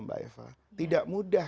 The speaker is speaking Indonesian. mbak eva tidak mudah